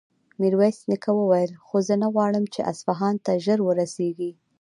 ميرويس نيکه وويل: خو زه نه غواړم چې اصفهان ته ژر ورسېږي.